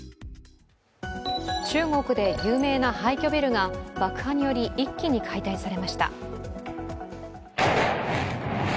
中国で有名な廃虚ビルが爆破により一気に解体されました。